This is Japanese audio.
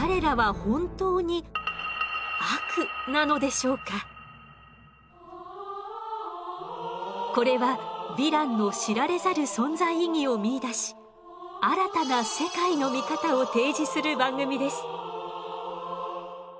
しかし彼らはこれはヴィランの知られざる存在意義を見いだし新たな世界の見方を提示する番組です。